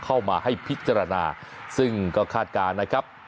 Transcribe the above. เข้ามาให้พิจารณาซึ่งก็คาดการณ์นะครับ